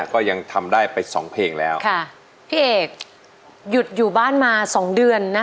ก็ยังทำได้ไปสองเพลงแล้วค่ะพี่เอกหยุดอยู่บ้านมาสองเดือนนะคะ